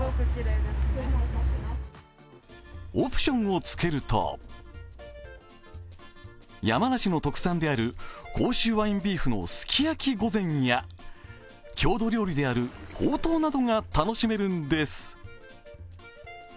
オプションをつけると山梨の特産である甲州ワインビーフのすき焼き御膳や郷土料理であるほうとうなどが楽しめるんです。